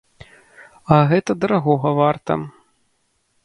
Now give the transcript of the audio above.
А гэта дарагога варта.